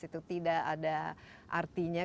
itu tidak ada artinya